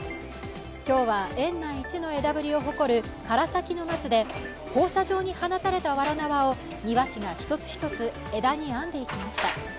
今日は園内一の枝ぶりを誇る唐崎松で放射状に放たれたわら縄を庭師が一つ一つ枝に編んでいきました。